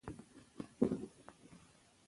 خلک باید یې زیارت ته ورسي.